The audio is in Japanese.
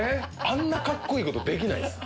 あんなカッコいいことできないです。